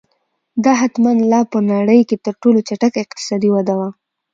دا احتما لا په نړۍ کې تر ټولو چټکه اقتصادي وده وه